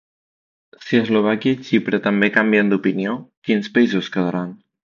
Si Eslovàquia i Xipre també canvien d'opinió, quins països quedaran?